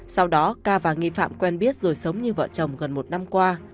sau đó ca và nghi phạm quen biết rồi sống như vợ chồng gần một năm qua